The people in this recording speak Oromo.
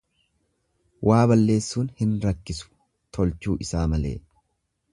Waa balleessuun hin rakkisu tolchuu isaa malee.